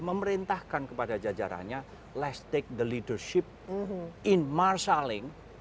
memerintahkan kepada jajarannya let's take the leadership in marshalling